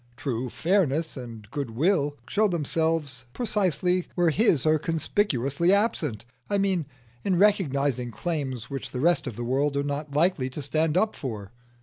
True fairness and goodwill show themselves precisely where his are conspicuously absent. I mean, in recognising claims which the rest of the world are not likely to stand up for.